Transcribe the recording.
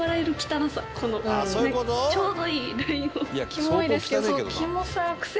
キモいですけど。